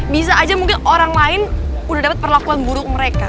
bisa aja mungkin orang lain udah dapat perlakuan buruk mereka